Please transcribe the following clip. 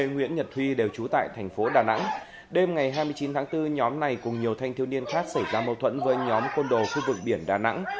ngày hai mươi chín tháng bốn nhóm này cùng nhiều thanh thiếu niên khác xảy ra mâu thuẫn với nhóm côn đồ khu vực biển đà nẵng